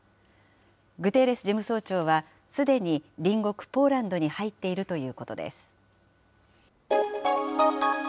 グテーレス事務総長は、すでに隣国ポーランドに入っているということです。